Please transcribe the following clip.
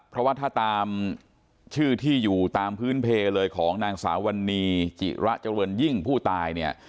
เพราะว่าถ้าตามชื่อที่อยู่ตามพื้นเพลเลยของนางสาววันนี้จิระเจริญยิ่งผู้ตายเนี่ย